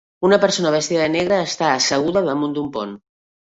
Una persona vestida de negre està asseguda damunt d'un pont.